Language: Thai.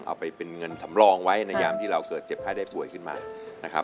เอาไปเป็นเงินสำรองไว้ในยามที่เราเจ็บไห้ได้ป่วยขึ้นมา